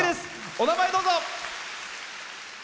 お名前、どうぞ。